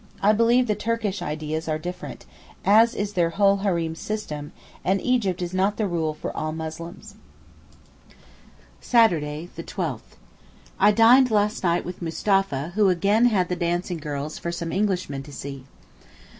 I believe the Turkish ideas are different, as is their whole hareem system, and Egypt is not the rule for all Muslims. Saturday, 12_th_.—I dined last night with Mustapha, who again had the dancing girls for some Englishmen to see.